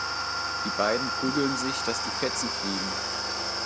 Die beiden prügeln sich, dass die Fetzen fliegen.